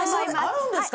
あるんですか？